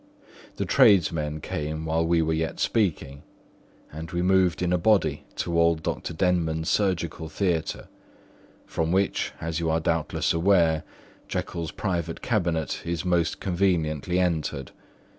The tradesmen came while we were yet speaking; and we moved in a body to old Dr. Denman's surgical theatre, from which (as you are doubtless aware) Jekyll's private cabinet is most conveniently entered.